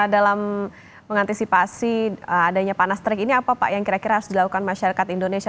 dalam mengantisipasi adanya panas terik ini apa pak yang kira kira harus dilakukan masyarakat indonesia